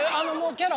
キャラ！